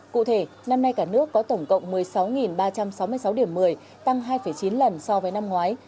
cụ thể năm nay cả nước có tổng cộng một mươi sáu ba trăm sáu mươi sáu điểm một mươi tăng hai chín lần so với năm ngoái